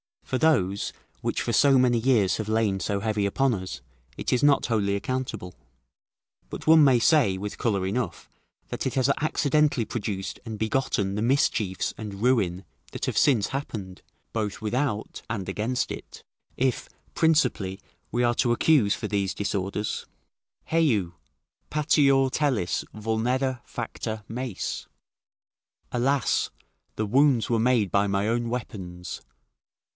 For those which for so many years have lain so heavy upon us, it is not wholly accountable; but one may say, with colour enough, that it has accidentally produced and begotten the mischiefs and ruin that have since happened, both without and against it; it, principally, we are to accuse for these disorders: "Heu! patior telis vulnera facta meis." ["Alas! The wounds were made by my own weapons."